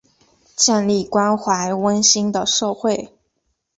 建立关怀温馨的社会